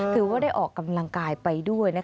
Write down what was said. ถือว่าได้ออกกำลังกายไปด้วยนะคะ